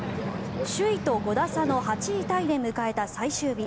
首位と５打差の８位タイで迎えた最終日。